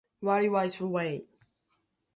Senator John J. Williams.